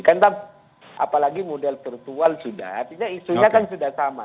karena apalagi model virtual sudah isunya kan sudah sama